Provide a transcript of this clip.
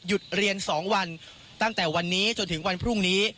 เรียน๒วันตั้งแต่วันนี้จนถึงวันพรุ่งนี้